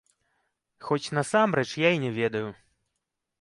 Хоць насамрэч я і не ведаю.